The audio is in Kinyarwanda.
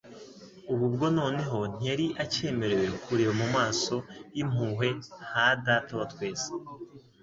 Ubu bwo noneho, ntiyari acyemerewe kureba mu maso y'impuhwe ha Data wa twese